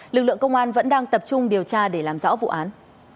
lực lượng công an vẫn đang tập trung điều tra để làm rõ vụ án